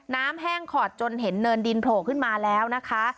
แห้งขอดจนเห็นเนินดินโผล่ขึ้นมาแล้วนะคะ